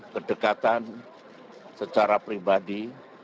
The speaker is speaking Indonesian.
kedekatan secara pribadi